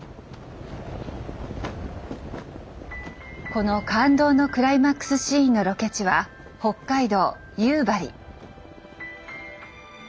この感動のクライマックスシーンのロケ地は北海道夕張。